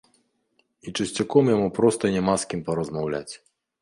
І часцяком яму проста няма з кім паразмаўляць.